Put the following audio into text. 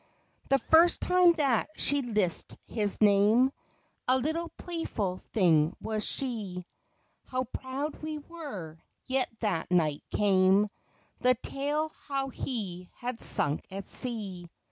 The first time that she lisp'd his name, A little playful thing was she; How proud we were —yet that night came The tale how he had sunk at sea.